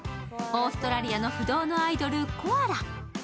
オーストラリアの不動のアイドル・コアラ。